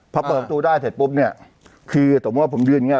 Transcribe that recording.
พอเปิดประตูได้เสร็จปุ๊บเนี่ยคือสมมุติว่าผมยืนอย่างเง